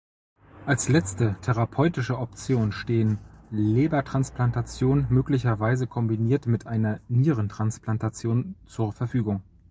Als letzte therapeutische Option stehen Lebertransplantation, möglicherweise kombiniert mit einer Nierentransplantation zur Verfügung.